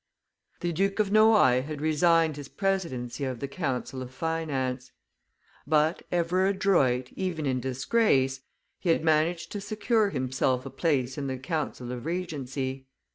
The Duke of Noailles had resigned his presidency of the council of finance; but, ever adroit, even in disgrace, he had managed to secure himself a place in the council of regency.